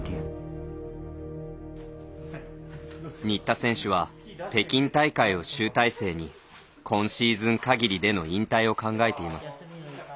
新田選手は北京大会を集大成に今シーズンかぎりでの引退を考えています。